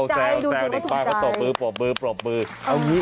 แซวแต่เขาตอบมือปลอบมือปลอบมือ